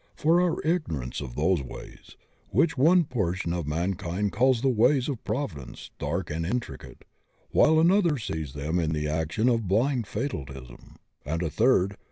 For our ignorance of those ways — ^which one portion of man kind calls the ways of Providence dark and intricate, while another sees in them the action of blind fatalism, and a third • 5. D..